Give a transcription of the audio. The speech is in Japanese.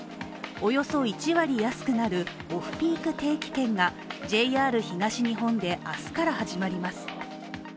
およそ１割安くなるオフピーク定期券がＪＲ東日本で明日から始まります。